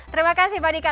terima kasih pak dika